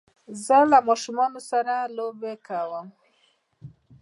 زه له ماشومانو سره لوبی کوم